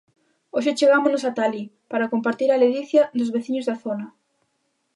Hoxe achegámonos ata alí, para compartir a ledicia dos veciños da zona.